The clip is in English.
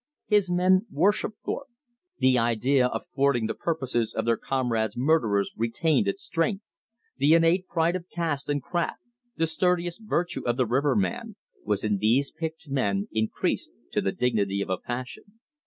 His men worshipped Thorpe; the idea of thwarting the purposes of their comrade's murderers retained its strength; the innate pride of caste and craft the sturdiest virtue of the riverman was in these picked men increased to the dignity of a passion.